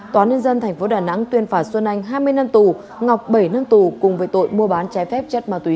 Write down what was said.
tòa nhân dân tp đà nẵng tuyên phạt xuân anh hai mươi năm tù ngọc bảy năm tù cùng với tội mua bán trái phép chất ma túy